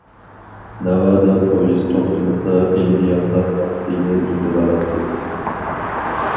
ناۋادا پويىز توختىمىسا ئىندىيانلار مەقسىتىگە يېتىۋالاتتى.